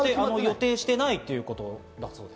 予定してないということです。